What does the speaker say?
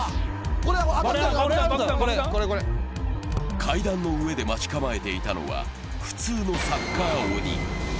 階段の上で待ち構えていたのは普通のサッカー鬼。